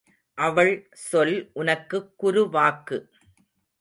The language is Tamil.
அவள் சொல் உனக்குக் குரு வாக்கு.